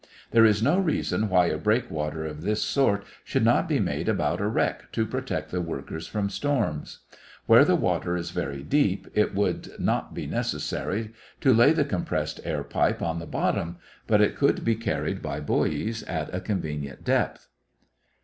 There is no reason why a breakwater of this sort should not be made about a wreck to protect the workers from storms. Where the water is very deep, it would not be necessary to lay the compressed air pipe on the bottom, but it could be carried by buoys at a convenient depth.